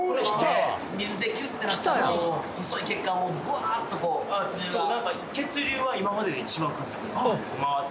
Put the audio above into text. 水でキュッてなった細い血管をバーッとこうそうなんか血流は今までで一番感じてます